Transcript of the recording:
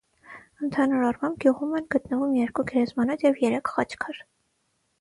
Ընդհանուր առմամբ գյուղում են գտնվում երկու գերեզմանոց և երեք խաչքար։